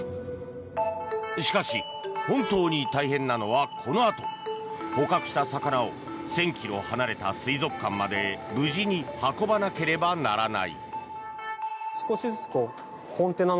しかし本当に大変なのはこのあと。捕獲した魚を１０００ｋｍ離れた水族館まで無事に運ばなければならない。